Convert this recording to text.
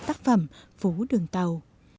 tác phẩm phố đường tàu